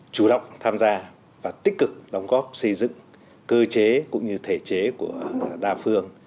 chủ động tham gia và tích cực đóng góp xây dựng cơ chế cũng như thể chế của đa phương